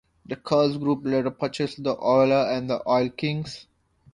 The Katz Group later purchased the Oilers and the Oil Kings.